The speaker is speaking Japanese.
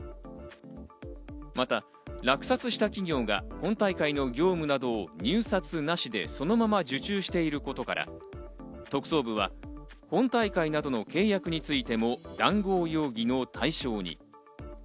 また落札した企業が本大会の業務などを入札なしで、そのまま受注していることから、特捜部は本大会などの契約についても談合容疑の対象に。